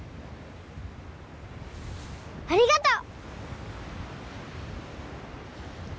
ありがとう！